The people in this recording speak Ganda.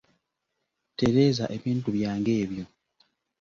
Tereza ebintu byange ebyo.